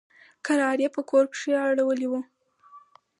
کرار يې په کور کښې اړولي وو.